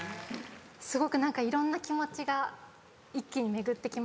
すごくいろんな気持ちが一気に巡ってきました。